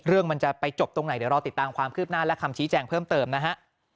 มันจะไปจบตรงไหนเดี๋ยวรอติดตามความคืบหน้าและคำชี้แจงเพิ่มเติมนะฮะ